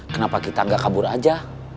kenapa kita gak kabur aja